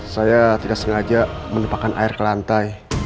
saya tidak sengaja menempatkan air ke lantai